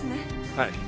はい。